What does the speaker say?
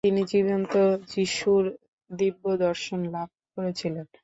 তিনি জীবন্ত যিশুর দিব্যদর্শন লাভ করেছিলেন।